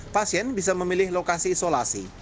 pasien bisa memilih lokasi isolasi